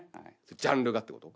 ジャンルがってこと？